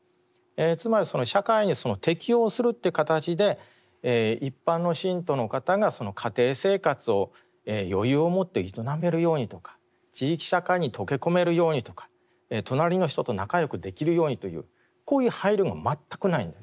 つまり社会に適応するっていう形で一般の信徒の方が家庭生活を余裕をもって営めるようにとか地域社会に溶け込めるようにとか隣の人と仲よくできるようにというこういう配慮が全くないんです。